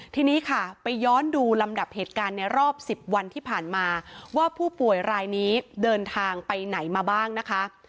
ทีนี้ค่ะไปย้อนดูลำดับเหตุการณ์ในรอบ๑๐วันที่ผ่านมาว่าผู้ป่วยรายนี้เดินทางไปไหนมาบ้างนะคะ